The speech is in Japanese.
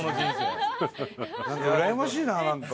うらやましいななんか。